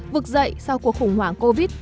vực dậy sau cuộc khủng hoảng covid